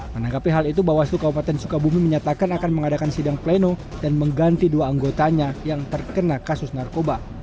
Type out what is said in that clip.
menanggapi hal itu bawaslu kabupaten sukabumi menyatakan akan mengadakan sidang pleno dan mengganti dua anggotanya yang terkena kasus narkoba